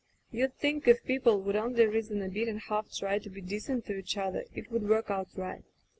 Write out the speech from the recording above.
You'd think if people would only reason a bit and half try to be decent to each other it would work out right.